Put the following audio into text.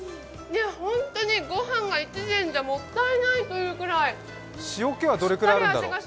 ホントにご飯が１膳じゃもったいないというくらい塩気はどれぐらいあるんだろう？